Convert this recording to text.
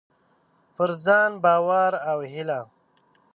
پر ځان باور او هيله: